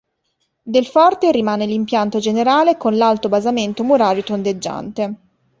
Del forte rimane l'impianto generale con l'alto basamento murario tondeggiante.